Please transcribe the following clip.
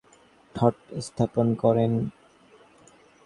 তিনি neo-Lamarckism "school of thought" স্থাপন করেন।